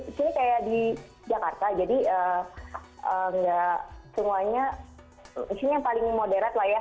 di sini kayak di jakarta jadi nggak semuanya di sini yang paling moderat lah ya